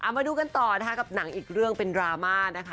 มาดูกันต่อนะคะกับหนังอีกเรื่องเป็นดราม่านะคะ